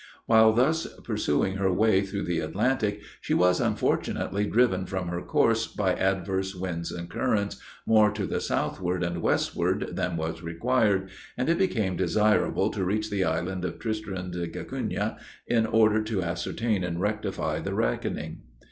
While thus pursuing her way through the Atlantic, she was unfortunately driven from her course, by adverse winds and currents, more to the southward and westward than was required, and it became desirable to reach the island of Tristan d'Acunha, in order to ascertain and rectify the reckoning.